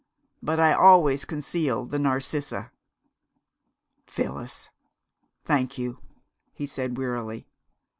But I always conceal the Narcissa." "Phyllis. Thank you," he said wearily.